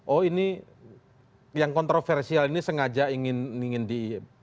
oh ini yang kontroversial ini sengaja ingin di